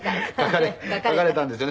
書かれたんですよね